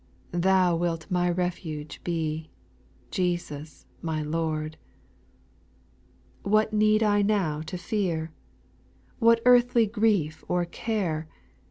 Thou wilt my refuge be, Jesus my Lord 1 What need I now to fear, What earthly grief or care.